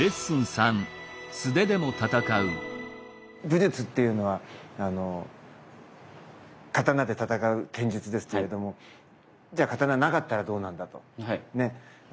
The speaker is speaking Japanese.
武術っていうのは刀で戦う剣術ですけれどもじゃあ刀なかったらどうなんだと。ね。